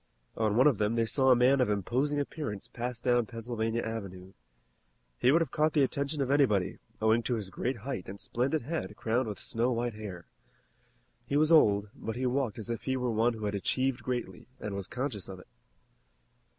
On one of them they saw a man of imposing appearance pass down Pennsylvania Avenue. He would have caught the attention of anybody, owing to his great height and splendid head crowned with snow white hair. He was old, but he walked as if he were one who had achieved greatly, and was conscious of it.